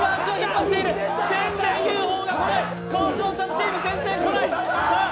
全然、ＵＦＯが来ない、川島さんチーム、全然来ない。